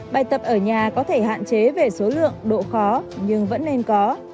bài tập ở nhà có thể hạn chế về số lượng độ khó nhưng vẫn nên có